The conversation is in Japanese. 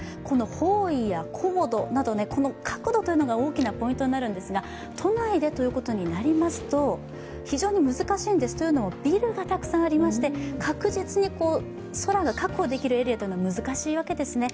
方位や高度など角度が大きなポイントになるんですが都内でということになりますと、非常に難しいんです。というのもビルがたくさんありまして、確実に空を確保できるエリアが難しいわけですね。